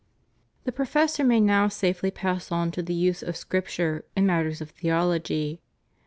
The professor may now safely pass on to the use of Scripture in matters of theology.